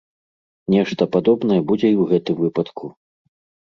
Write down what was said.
Нешта падобнае будзе і ў гэтым выпадку.